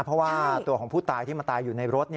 เพราะว่าตัวของผู้ตายที่มาตายอยู่ในรถ